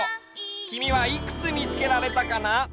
きみはいくつみつけられたかな？